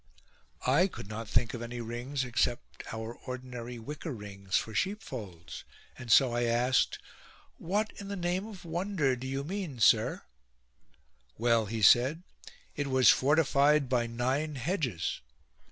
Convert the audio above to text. I could not think of any rings except our ordinary wicker rings for sheepfolds ; and so I asked :" What, in the name of wonder, do you mean, sire ?"" Well," he said, " it was fortified by nine hedges."